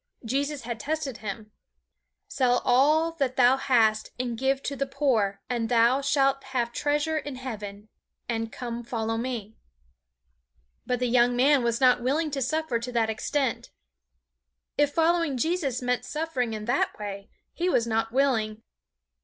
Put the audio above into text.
Jesus had tested him. "Sell all that thou hast and give to the poor, and thou shalt have treasure in heaven; and come follow me." But the young man was not willing to suffer to that extent. If following Jesus meant suffering in that way, he was not willing.